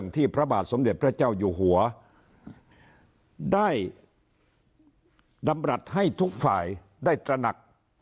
พระบาทสมเด็จพระเจ้าอยู่หัวได้ดำรัฐให้ทุกฝ่ายได้ตระหนัก